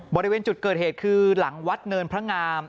บริเวณจุดเกิดเหตุคือหลังวัดเนินพระงาม